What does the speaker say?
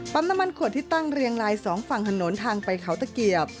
น้ำมันขวดที่ตั้งเรียงลายสองฝั่งถนนทางไปเขาตะเกียบ